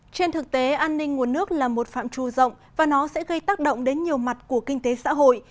trên thực tế an ninh nguồn nước là một phạm trù rộng và nó sẽ gây tác động đến nhiều mặt của kinh tế xã hội